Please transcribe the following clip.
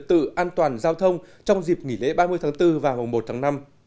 trật tự an toàn giao thông trong dịp nghỉ lễ ba mươi tháng bốn và một tháng năm